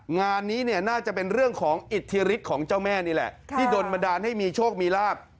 งานนี้น่าจะเป็นเรื่องของอิทธิฤทธิ์ของเจ้าแม่นี่แหละ